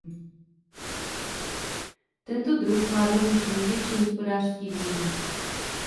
Tento druh má rovněž největší hospodářský význam.